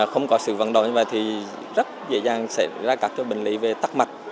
không có sự vận động như vậy thì rất dễ dàng xảy ra các bệnh lý về tắc mạch